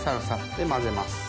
で混ぜます。